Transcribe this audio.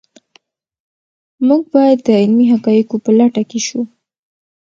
موږ باید د علمي حقایقو په لټه کې شو.